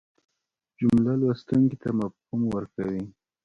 جمله لوستونکي ته مفهوم ورکوي.